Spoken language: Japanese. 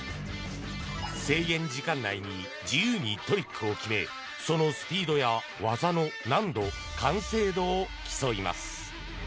制限時間内に自由にトリックを決めそのスピードや技の難度完成度を競います。